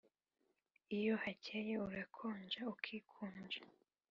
iyo hacyeye urakonja ukikunja